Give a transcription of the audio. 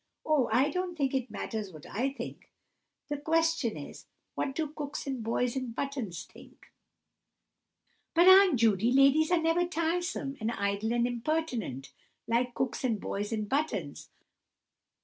"Oh, I don't think it matters what I think. The question is, what do cooks and boys in buttons think?" "But, Aunt Judy, ladies are never tiresome, and idle, and impertinent, like cooks and boys in buttons.